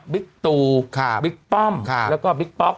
ตูบิ๊กป้อมแล้วก็บิ๊กป๊อก